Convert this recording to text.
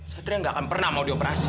satria gak akan pernah mau di operasi